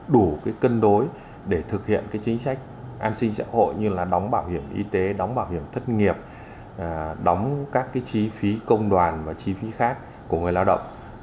đủ cái cân đối để thực hiện cái chính sách an sinh xã hội như là đóng bảo hiểm y tế đóng bảo hiểm thất nghiệp đóng các chi phí công đoàn và chi phí khác của người lao động